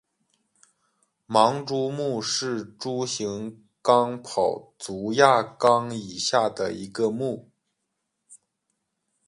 盲蛛目是蛛形纲跑足亚纲以下的一个目。